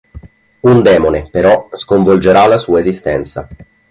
Un demone, però, sconvolgerà la sua esistenza.